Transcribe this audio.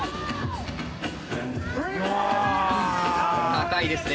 高いですね。